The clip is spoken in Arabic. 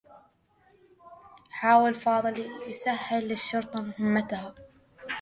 حاول فاضل يسهّل للشّرطة مهمّتها.